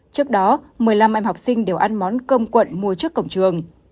trước đó một mươi năm em học sinh đều ăn món cơm cuộn mua trước cổng trường